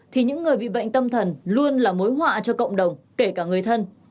thì những người bị bệnh tâm thần luôn là mối họa cho cộng đồng kể cả người thân